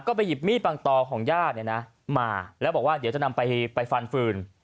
ก็ไปหยิบมีดปังตอของญาติเนี่ยนะมาแล้วบอกว่าเดี๋ยวจะนำไปฟันฟืน